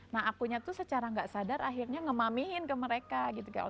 nah akunya tuh secara gak sadar akhirnya ngemamihin ke mereka gitu